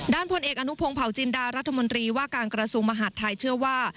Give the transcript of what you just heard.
ด้านพลเอกอนุโพงเผาจินดารัฐมนตรีวาการกระสูงมหัดทายเชื่อว่า